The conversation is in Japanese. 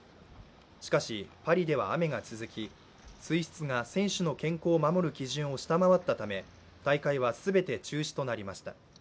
しかし、パリでは雨が続き水質が選手の健康を守る基準を下回ったため大会は全て中止となりました。